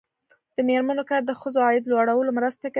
د میرمنو کار د ښځو عاید لوړولو مرسته کوي.